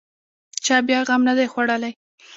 چا بیا غم نه دی خوړلی.